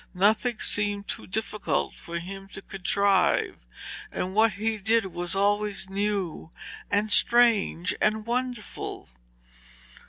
Nothing seemed too difficult for him to contrive, and what he did was always new and strange and wonderful.